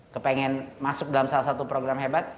kepengen masuk dalam salah satu program hebat